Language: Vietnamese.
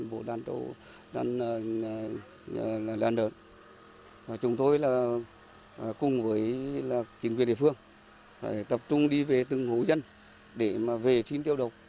phải tập trung đi về từng hố dân để mà vệ sinh tiêu độc